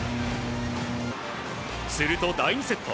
すると、第２セット。